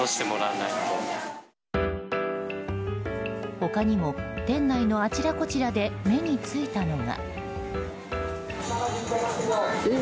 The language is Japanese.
他にも、店内のあちらこちらで目に付いたのが。